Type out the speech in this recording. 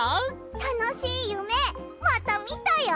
たのしいゆめまたみたよ。